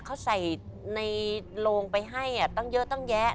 เขาใส่ในโลงไปให้ตั้งเยอะตั้งแยะ